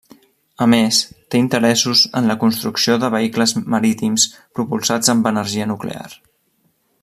A més, té interessos en la construcció de vehicles marítims propulsats amb energia nuclear.